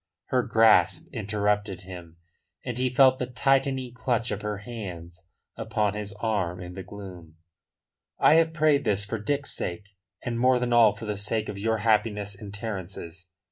Her grasp interrupted him, and he felt the tightening clutch of her hands upon his arm in the gloom. "I have prayed this for Dick's sake, and more than all for the sake of your happiness and Terence's.